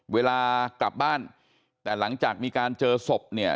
เวลากลับบ้านแต่หลังจากมีการเจอศพเนี่ย